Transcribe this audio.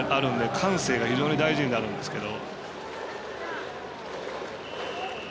感性が非常に大事になるんですけど。